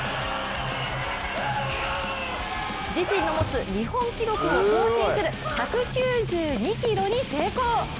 自身の持つ日本記録を更新する１９２ｋｇに成功。